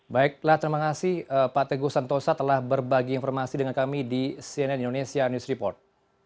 baiklah terima kasih pak teguh santosa telah berbagi informasi dengan kami di cnn indonesia news report